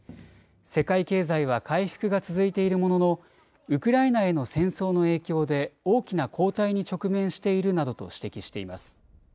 世界経済は回復が続いているもののウクライナへの戦争の影響で大きな後退に直面しているなどと指摘しています。